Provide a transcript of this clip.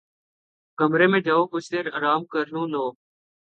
کمرے میں جاؤ کچھ دیر آرام کر لوں لو